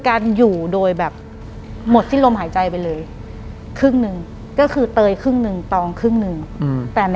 หลังจากนั้นเราไม่ได้คุยกันนะคะเดินเข้าบ้านอืม